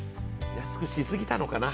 安くしすぎたのかな。